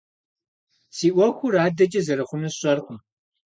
Си Ӏуэхур адэкӀэ зэрыхъунур сщӀэркъым.